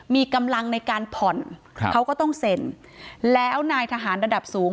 มีกำลังในการผ่อนครับเขาก็ต้องเซ็นแล้วนายทหารระดับสูง